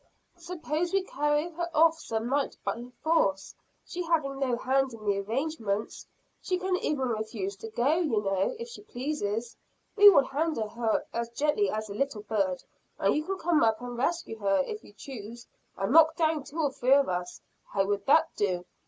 "Suppose we carry her off some night by force, she having no hand in the arrangements? She can even refuse to go, you know, if she pleases we will handle her as gently as a little bird, and you can come up and rescue her, if you choose, and knock down two or three of us. How would that do?